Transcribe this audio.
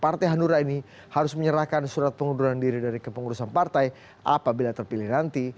partai hanura ini harus menyerahkan surat pengunduran diri dari kepengurusan partai apabila terpilih nanti